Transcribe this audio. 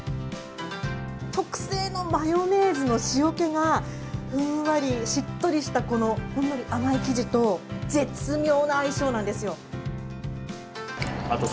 特製のマヨネーズの塩気がふんわり、しっとりした、ほんのり甘い生地と絶妙な相性なんですよ。